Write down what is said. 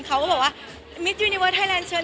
เขาอยากมาร่วมงานกับเบอร์